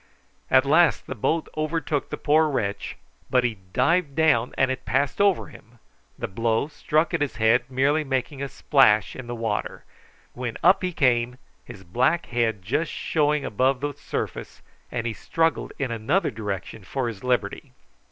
At last the boat overtook the poor wretch, but he dived down and it passed over him, the blow struck at his head merely making a splash in the water, when up he came, his black head just showing above the surface, and he struggled in another direction for his liberty.